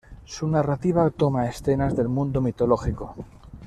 Su narrativa toma escenas del mundo mitológico.